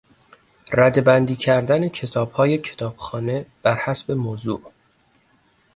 رده بندی کردن کتابهای کتابخانه بر حسب موضوع